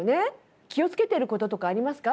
気をつけてることとかありますか？